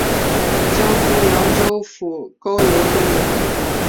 江苏扬州府高邮州人。